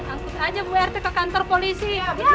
angkut aja ibu rt ke kantor polisi